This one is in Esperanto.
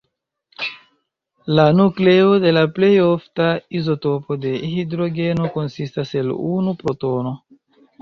La nukleo de la plej ofta izotopo de hidrogeno konsistas el unu protono.